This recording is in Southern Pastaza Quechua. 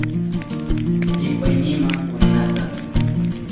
Tipaynima purinata,